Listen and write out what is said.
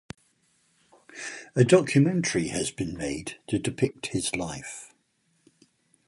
A documentary has been made to depict his life.